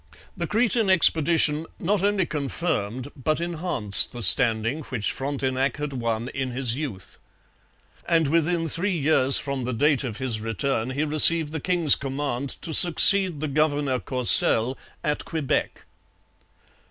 The Cretan expedition not only confirmed but enhanced the standing which Frontenac had won in his youth. And within three years from the date of his return he received the king's command to succeed the governor Courcelles at Quebec.